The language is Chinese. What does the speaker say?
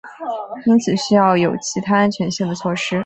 因此需要有其他安全性的措施。